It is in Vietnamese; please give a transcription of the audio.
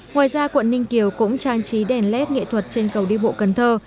ngoài ra quận ninh kiều cũng trang trí đèn led nghệ thuật trên cầu đi bộ cần thơ